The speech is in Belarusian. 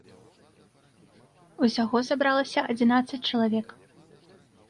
Усяго сабралася адзінаццаць чалавек.